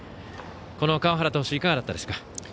この川原投手いかがだったでしょうか。